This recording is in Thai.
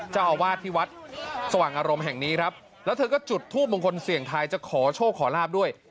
เจ้าอาวาสที่วัดสว่างอารมณ์แห่งนี้ครับแล้วเธอก็จุดทูปมงคลเสี่ยงทายจะขอโชคขอลาบด้วย